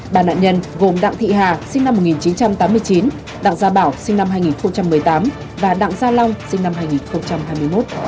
ba nạn nhân gồm đặng thị hà sinh năm một nghìn chín trăm tám mươi chín đặng gia bảo sinh năm hai nghìn một mươi tám và đặng gia long sinh năm hai nghìn hai mươi một